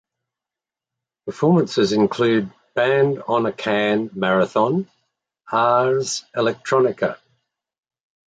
Performances include Band on a Can Marathon, Ars Electronica.